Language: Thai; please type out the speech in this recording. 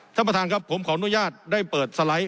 ท่านประธานครับผมขออนุญาตได้เปิดสไลด์